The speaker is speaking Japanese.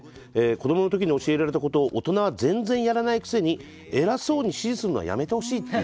子どものときに教えられたことを大人は全然やらないくせに偉そうに指示するのはやめてほしいと。